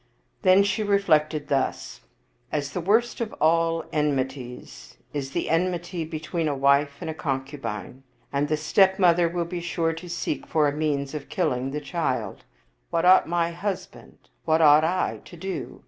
Then she reflected thus :" As the worst of all enmities is the enmity between a wife and a concubine, and the stepmother will be sure to seek for a means of killing the child, what ought my husband, what ought I to do?